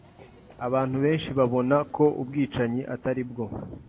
Abantu benshi babona ko ubwicanyi atari bwo.